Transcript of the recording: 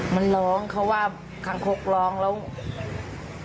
มันร้องเพราะว่าคางคกร้องแล้ว